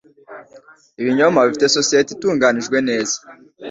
Ibimonyo bifite societe itunganijwe neza.